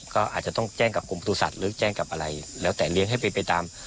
ก็อาจจะต้องแจ้งกับกรมตุสัตว์หรือแจ้งกับอะไรแล้วแต่เลี้ยงให้เป็นไปตาม